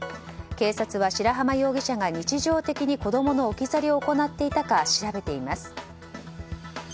警察は白濱容疑者が日常的に子供の置き去りを行っていたか調べています。